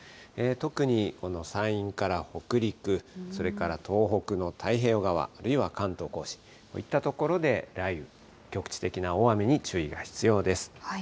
特にこの山陰から北陸、それから東北の太平洋側、あるいは関東甲信、雷雨、局地的な大雨に注意が必要です。